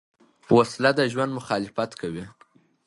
وسله د ژوند مخالفت کوي